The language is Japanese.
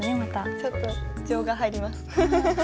ちょっと情が入ります。